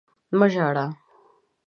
مه ژاړه!